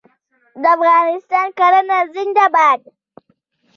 د افغانستان کرنه زنده باد.